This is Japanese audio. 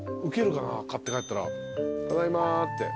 ただいまって。